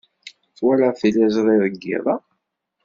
Twalaḍ tiliẓri deg yiḍ-a?